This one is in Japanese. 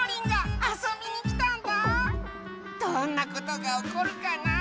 どんなことがおこるかな？